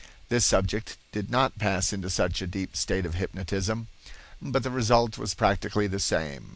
This subject did not pass into such a deep state of hypnotism, but the result was practically the same.